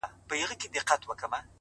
موخې د ذهن لارښوونه منظموي!